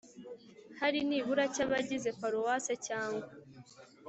hari nibura cy abagize Paruwase cyangwa